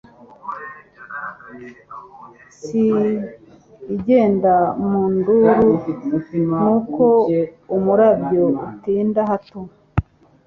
Si igenda mu nduru ! »Ni ko umurabyo utinda hato :